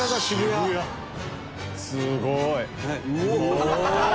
すごい！